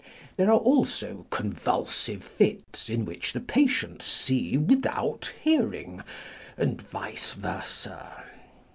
There are also convulsive fits in wThich the patients see without hearing, and vice versa.